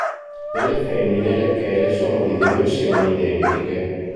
Nelle femmine le chele sono di dimensioni identiche.